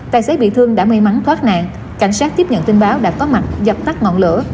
tài xế bị thương đã may mắn thoát nạn cảnh sát tiếp nhận tin báo đã có mặt dập tắt ngọn lửa